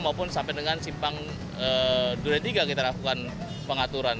maupun sampai dengan simpang duretiga kita lakukan pengaturan